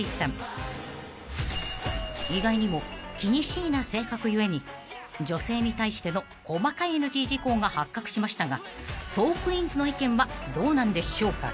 ［意外にも気にしいな性格故に女性に対しての細かいＮＧ事項が発覚しましたがトークィーンズの意見はどうなんでしょうか？］